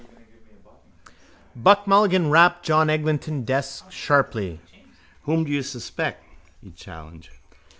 Buck Mulligan rapped John Eglinton's desk sharply. —Whom do you suspect? he challenged.